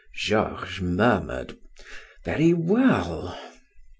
Georges murmured: "Very well."